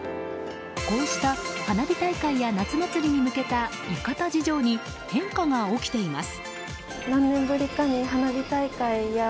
こうした花火大会や夏祭りに向けた浴衣事情に変化が起きています。